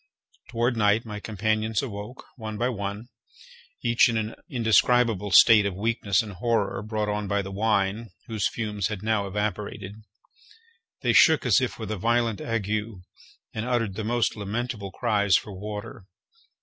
Toward night my companions awoke, one by one, each in an indescribable state of weakness and horror, brought on by the wine, whose fumes had now evaporated. They shook as if with a violent ague, and uttered the most lamentable cries for water.